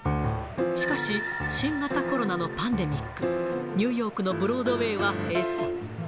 しかし、新型コロナのパンデミック、ニューヨークのブロードウェイは閉鎖。